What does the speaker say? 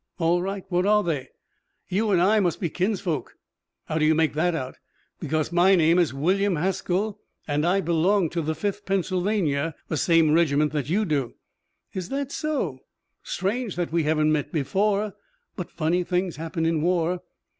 "All right. What are they?" "You and I must be kinsfolk." "How do you make that out?" "Because my name is William Haskell, and I belong to the Fifth Pennsylvania, the same regiment that you do." "Is that so? It's strange that we haven't met before. But funny things happen in war."